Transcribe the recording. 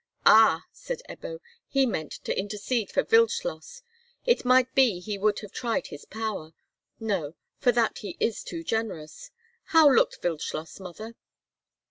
"Ah!" said Ebbo, "he meant to intercede for Wildschloss—it might be he would have tried his power. No, for that he is too generous. How looked Wildschloss, mother?"